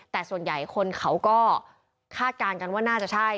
แต่ส่วนใหญ่คนเขาก็คาดการณ์กันว่าน่าจะใช่